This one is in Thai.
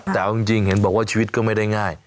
แต่เอาจริงเห็นบอกว่าชีวิตก็ไม่ได้ง่าย